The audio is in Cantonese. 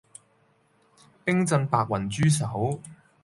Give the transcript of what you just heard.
冰鎮白雲豬手